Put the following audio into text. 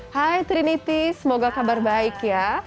hai trinity semoga kabar baik ya